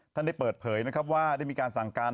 ได้เปิดเผยนะครับว่าได้มีการสั่งการ